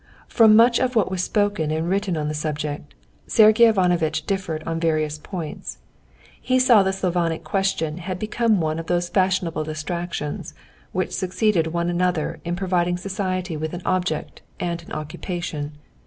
From much of what was spoken and written on the subject, Sergey Ivanovitch differed on various points. He saw that the Slavonic question had become one of those fashionable distractions which succeed one another in providing society with an object and an occupation.